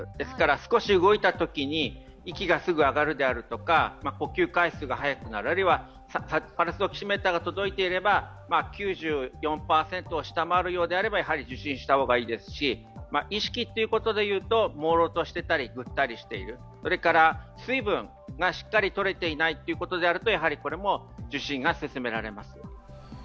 少し動いたときに息がすぐ上がるであるとか呼吸回数が速くなる、あるいはパルスオキシメーターが届いていれば９４％を下回るようなら受診した方がいいですし意識がもうろうしていたりぐったりしている、それから水分がしっかりとれていないということであると、これも受診が勧められます。